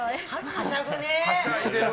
はしゃぐね！